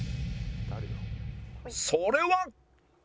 それは